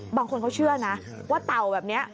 บางคนเขาเชื่อนะว่าเต่าแบบนี้